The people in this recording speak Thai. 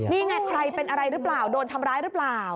นี่ไงใครเป็นอะไรหรือเปล่าโดนทำร้ายหรือเปล่า